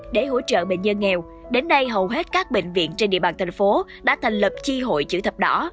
để hỗ trợ bệnh nhân nghèo đến nay hầu hết các bệnh viện trên địa bàn thành phố đã thành lập chi hội chữ thập đỏ